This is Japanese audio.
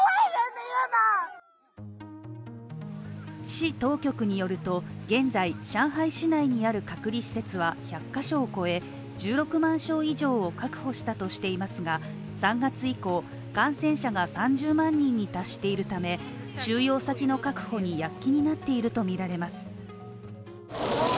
市当局によると、現在、上海市内にある隔離施設は１００ヶ所を超え、１６万床以上を確保したとしていますが、３月以降、感染者が３０万人に達しているため、収容先の確保に躍起になっているとみられます。